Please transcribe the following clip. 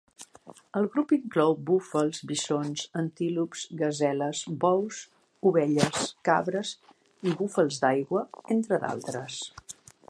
El grup inclou búfals, bisons, antílops, gaseles, bous, ovelles, cabres i búfals d'aigua, entre d'altres.